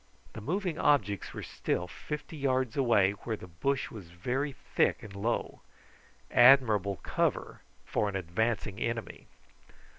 The moving objects were still fifty yards away, where the bush was very thick and low. Admirable cover for an advancing enemy.